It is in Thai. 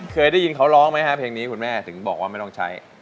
เคยได้ยินเขาร้องไหมครับเพลงนี้คุณแม่ถึงบอกว่าไม่ต้องใช้